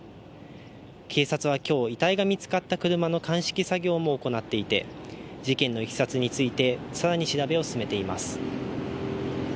警察は今日、遺体が見つかった車の鑑識作業も行っていて事件のいきさつについて更に調べを進めています。